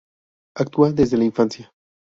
Actúa desde la infancia.